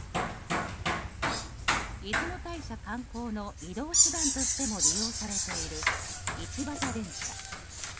出雲大社観光の移動手段としても利用されている一畑電車。